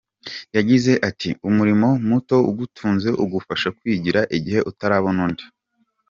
Yagize ati “Umurimo muto ugutunze ugufasha kwigira igihe utarabona undi.